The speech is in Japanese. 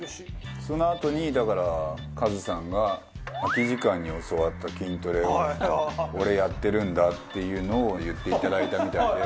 そのあとにだからカズさんが「空き時間に教わった筋トレ俺やってるんだ」っていうのを言っていただいたみたいで。